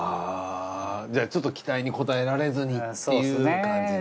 じゃあちょっと期待に応えられずにっていう感じで。